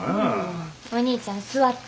お兄ちゃん座って。